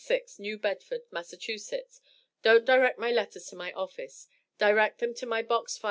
516, New Bedford, Mass. Don't direct my letters to my office. Direct them to my Box 516.